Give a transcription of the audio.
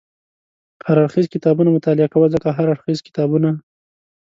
هر اړخیز کتابونه مطالعه کوه، ځکه هر اړخیز کتابونه